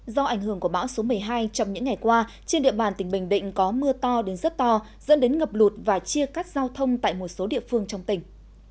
do ảnh hưởng của bão số một mươi hai trong những ngày qua trên địa bàn tỉnh bình định có mưa to đến rất to dẫn đến ngập lụt và chia cắt giao thông tại một số địa phương trong tỉnh